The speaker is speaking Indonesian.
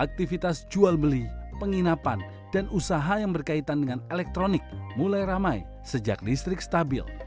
aktivitas jual beli penginapan dan usaha yang berkaitan dengan elektronik mulai ramai sejak listrik stabil